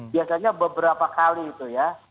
biasanya beberapa kali itu ya